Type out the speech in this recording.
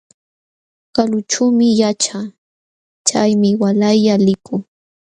Kalućhuumi yaćhaa, chaymi waalaylla likuu.